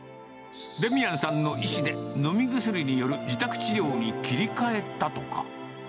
デミアンさんの意思で飲み薬による自宅治療に切り替えたとか。